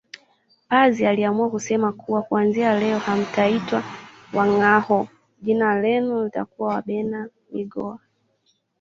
Pazi aliamua kusema kuwa kuanzia leo hamtaitwa Wangâhoo jina lenu litakuwa Wabena migoha